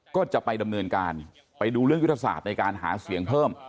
ก็จะไปดำเนินการไปดูเรื่องยุทธศาสตร์ในการหาเสียงเพิ่ม